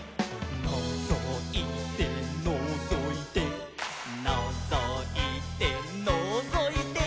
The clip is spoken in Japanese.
「のぞいてのぞいて」「のぞいてのぞいて」